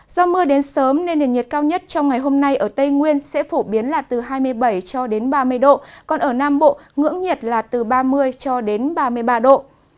do mưa đến sớm nên nền nhiệt cao nhất trong ngày hôm nay ở tây nguyên sẽ phổ biến là từ hai mươi bảy cho đến ba mươi độ còn ở nam bộ ngưỡng nhiệt là từ ba mươi cho đến ba mươi ba độ